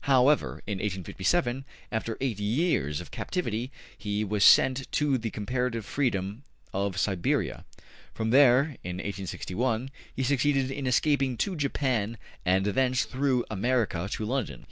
'' However, in 1857, after eight years of captivity, he was sent to the comparative freedom of Siberia. From there, in 1861, he succeeded in escaping to Japan, and thence through America to London.